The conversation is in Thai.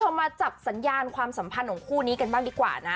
มาจับสัญญาณความสัมพันธ์ของคู่นี้กันบ้างดีกว่านะ